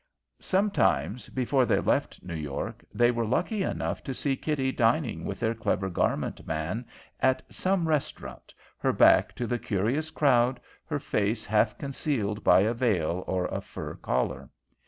"Sometimes, before they left New York, they were lucky enough to see Kitty dining with their clever garment man at some restaurant, her back to the curious crowd, her face half concealed by a veil or a fur collar.